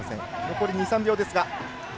残り２３秒ですが。